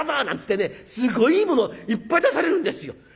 なんつってねすごいものをいっぱい出されるんですよ。